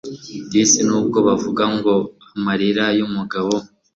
disi nubwo bavuga ngo amarira yumugabo